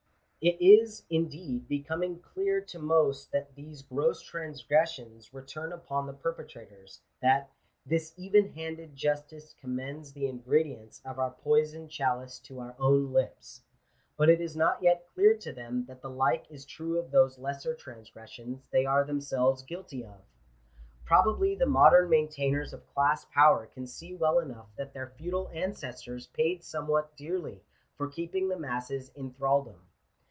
It is, indeed, becoming clear to most that these gross trans gressions return upon the perpetrators — that " this even handed justice commends the ingredients of our poisoned chalice to our own lips ;" but it is not yet clear to them that the like is true of those lesser transgressions they are themselves guilty of. Probably the modern maintainers of class power can see well enough that their feudal ancestors paid somewhat dearly for keeping the masses in thraldom.